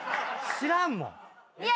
知らんもん。